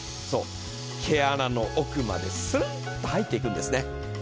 そう毛穴の奥までスルンと入っていくんですね。